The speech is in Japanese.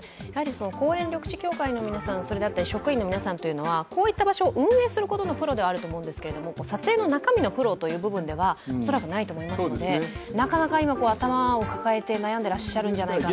公園緑地協会の皆さん、職員の皆さんというのはこういった場所を運営することのプロではあると思うんですが、撮影の中身のプロという部分では恐らくないと思いますのでなかなか頭を抱えて悩んでらっしゃるんじゃないかなと。